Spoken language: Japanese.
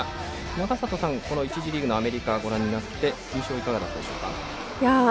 永里さん、この１次リーグのアメリカをご覧になって印象、いかがだったでしょうか。